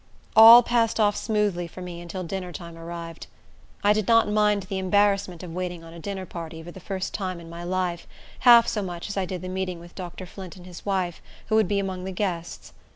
All passed off smoothly for me until dinner time arrived. I did not mind the embarrassment of waiting on a dinner party, for the first time in my life, half so much as I did the meeting with Dr. Flint and his wife, who would be among the guests.